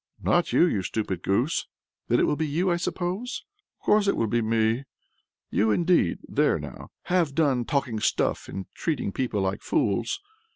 "Not you, you stupid goose!" "Then it will be you, I suppose!" "Of course it will be me!" "You, indeed! there now, have done talking stuff and treating people like fools!"